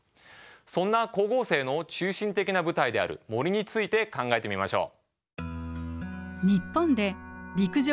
そんな光合成の中心的な舞台である森について考えてみましょう。